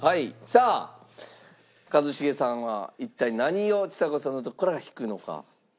さあ一茂さんは一体何をちさ子さんのところから引くのか？